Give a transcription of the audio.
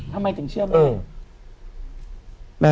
ทำไมถึงเชื่อแม่